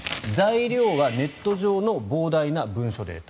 材料はネット上の膨大な文書データ